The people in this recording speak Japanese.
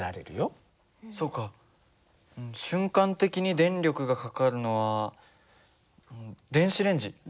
瞬間的に電力がかかるのは電子レンジ。